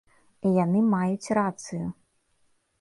І яны маюць рацыю.